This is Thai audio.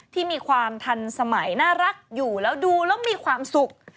ที่มีความทันสมัยน่ารักอยู่แล้วดูแล้วมีความสุข